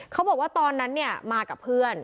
เขาบอกว่าตอนนั้นเนี่ยมากับเพื่อน